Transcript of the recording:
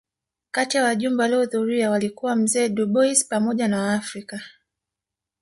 Kati ya wajumbe waliohudhuria walikuwa mzee Dubois pamoja na Waafrika